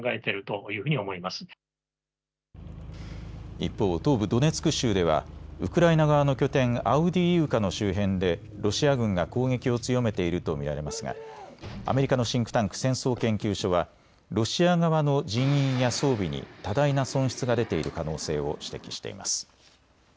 一方、東部ドネツク州ではウクライナ側の拠点アウディーイウカの周辺でロシア軍が攻撃を強めていると見られますがアメリカのシンクタンク、戦争研究所はロシア側の人員や装備に多大な損失が出ている可能性を指摘しています。